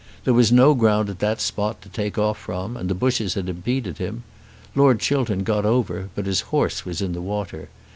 There was no ground at that spot to take off from, and the bushes had impeded him. Lord Chiltern got over, but his horse was in the water.